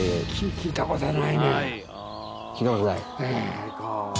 聞いたことない？ええ。